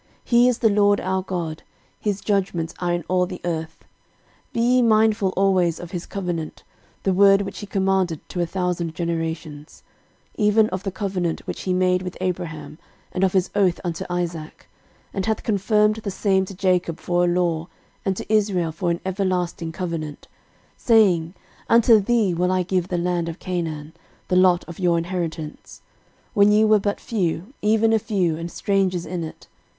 13:016:014 He is the LORD our God; his judgments are in all the earth. 13:016:015 Be ye mindful always of his covenant; the word which he commanded to a thousand generations; 13:016:016 Even of the covenant which he made with Abraham, and of his oath unto Isaac; 13:016:017 And hath confirmed the same to Jacob for a law, and to Israel for an everlasting covenant, 13:016:018 Saying, Unto thee will I give the land of Canaan, the lot of your inheritance; 13:016:019 When ye were but few, even a few, and strangers in it.